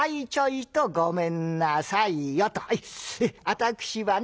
私はね